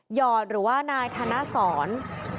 หอดหรือว่านายธนสร